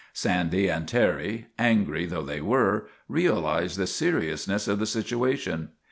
Sandy and Terry, angry though they were., realized the seriousness of the situation.